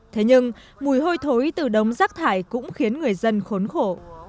thế nhưng mùi hôi thối từ đống rác thải cũng khiến người dân khốn khổ